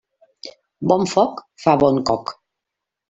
Bon foc fa bon coc.